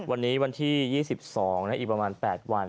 วันนี้วันที่๒๒อีกประมาณ๘วัน